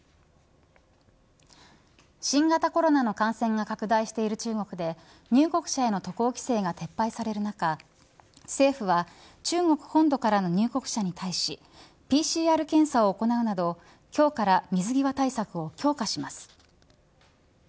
新型コロナの感染が拡大している中国で入国者への渡航規制が撤廃される中政府は中国本土からの入国者に対しＰＣＲ検査を行うなど今日から水際対策を強化します。